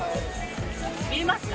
見えますか？